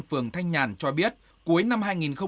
phương thanh nhàn cho biết cuối năm hai nghìn một mươi năm